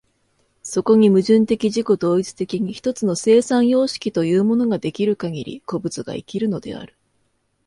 そこに矛盾的自己同一的に一つの生産様式というものが出来るかぎり、個物が生きるのである。